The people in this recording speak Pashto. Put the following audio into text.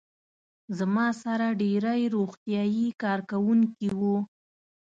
زما سره ډېری روغتیايي کارکوونکي وو.